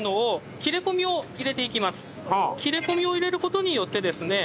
切れ込みを入れる事によってですね